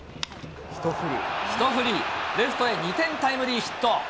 一振り、レフトへ２点タイムリーヒット。